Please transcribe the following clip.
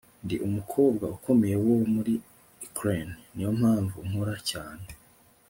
ndi umukobwa ukomeye wo muri ukraine, niyo mpamvu nkora cyane